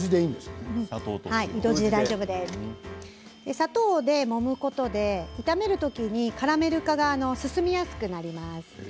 砂糖でもむことで炒めた時にカラメル化が進みやすくなります。